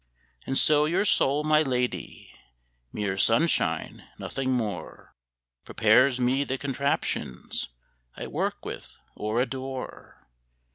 And so your soul, my lady (Mere sunshine, nothing more) Prepares me the contraptions I work with or adore.